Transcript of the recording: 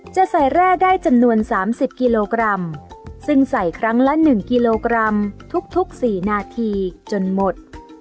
จะใส่แร่ได้จำนวนสามสิบกิโลกรัมซึ่งใส่ครั้งละหนึ่งกิโลกรัมทุกทุกสี่นาทีจนหมด